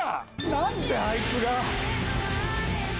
何であいつが。